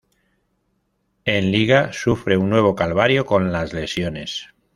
En Liga, sufre un nuevo calvario con las lesiones.